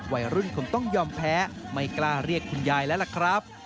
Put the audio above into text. วัยรุ่นคงต้องยอมแพ้ไม่กล้าเรียกคุณยายแล้วล่ะครับ